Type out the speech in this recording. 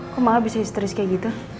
kok mama bisa istri seperti itu